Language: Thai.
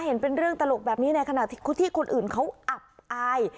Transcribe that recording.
เห็นเป็นเรื่องตลกแบบนี้ในขณะที่คนอื่นเขาอับอาย